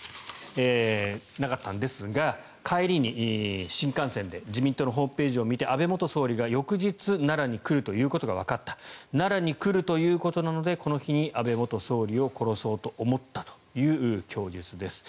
なかったんですが帰りに新幹線で自民党のホームページを見て安倍元総理が翌日奈良に来るということがわかった奈良に来るということなのでこの日に安倍元総理を殺そうと思ったという供述です。